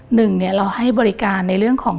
หนึ่งเราให้บริการในเรื่องของ